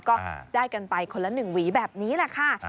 ก็ได้กันไปคนละ๑หวีแบบนี้แหละค่ะ